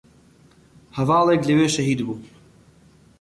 هەڤاڵێک لەوێ شەهید بوو